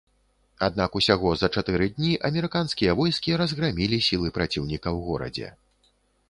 Аднак усяго за чатыры дні амерыканскія войскі разграмілі сілы праціўніка ў горадзе.